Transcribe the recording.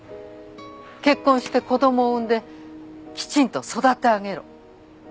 結婚して子供を産んできちんと育て上げろ。